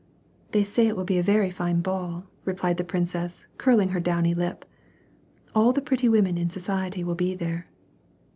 " They say it will be a very fine ball," replied the princess, curling her downy lip. "All the pretty women in society will be there."